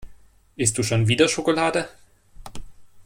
Isst du schon wieder Schokolade?